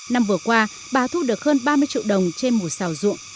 năm vừa qua bà thu được hơn ba mươi triệu đồng trên một xào ruộng